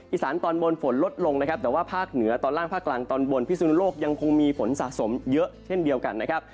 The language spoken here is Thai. อีสานตอนบนฝนลดลงนะครับแต่ว่าภาคเหนือตอนล่างภาคกลางตอนบนพิสุนโลกยังคงมีฝนสะสมเยอะเช่นเดียวกันนะครับ